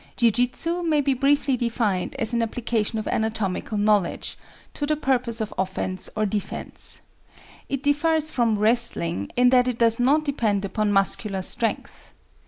Jiujutsu may be briefly defined as an application of anatomical knowledge to the purpose of offense or defense. It differs from wrestling, in that it does not depend upon muscular strength.